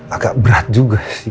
agak berat juga sih